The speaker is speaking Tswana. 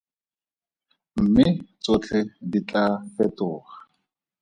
Mme tsotlhe tse di tla fetoga.